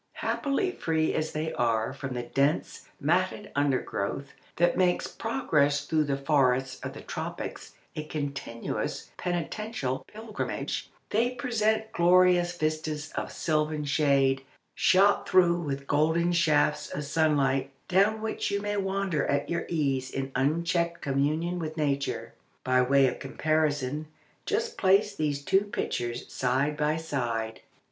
Happily free as they are from the dense matted undergrowth that makes progress through the forests of the tropics a continuous penitential pilgrimage, they present glorious vistas of silvan shade, shot through with golden shafts of sunlight, down which you may wander at your ease in unchecked communion with nature. By way of comparison just place these two pictures side by side.